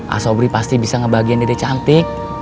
a sobri pasti bisa ngebahagiain dede cantik